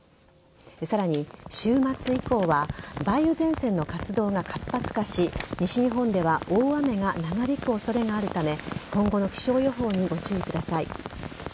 さらに週末以降は梅雨前線の活動が活発化し西日本では大雨が長引く恐れがあるため今後の気象予報にご注意ください。